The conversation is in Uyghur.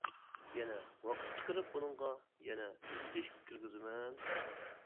يەنە ۋاقىت چىقىرىپ بۇنىڭغا يەنە تۈزىتىش كىرگۈزىمەن.